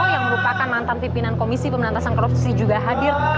yang merupakan mantan pimpinan komisi pemberantasan korupsi juga hadir